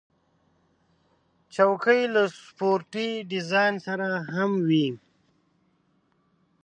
چوکۍ له سپورټي ډیزاین سره هم وي.